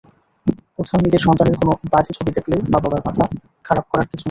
কোথাও নিজেরসন্তানের কোনো বাজে ছবি দেখলে মা–বাবার মাথা খারাপ করার কিছু নেই।